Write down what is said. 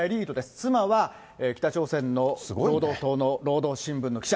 妻は北朝鮮の労働党の労働新聞の記者。